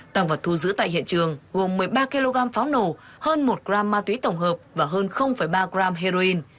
tăng vật thu giữ tại hiện trường gồm một mươi ba kg pháo nổ hơn một gram ma túy tổng hợp và hơn ba gram heroin